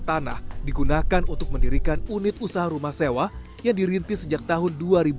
sebenarnya ini adalah perusahaan yang diperlukan untuk mendirikan unit usaha rumah sewa yang dirintis sejak tahun dua ribu dua